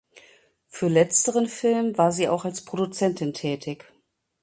Für letzteren Film war sie auch als Produzentin tätig.